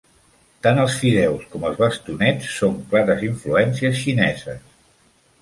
Tant els fideus com els bastonets són clares influències xineses.